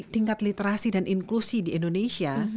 tingkat literasi dan inklusi di indonesia